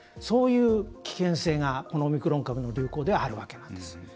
そういう危険性がオミクロン株の流行ではあるわけなんです。